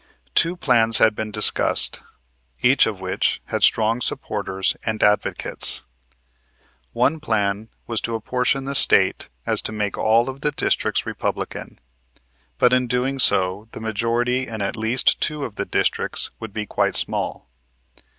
Two plans had been discussed, each of which had strong supporters and advocates. One plan was so to apportion the State as to make all of the districts Republican; but in doing so the majority in at least two of the districts would be quite small.